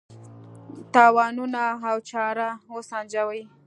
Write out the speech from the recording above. تاوانونه او چاره وسنجوي.